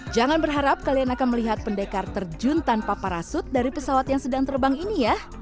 jangan berharap kalian akan melihat pendekar terjun tanpa parasut dari pesawat yang sedang terbang ini ya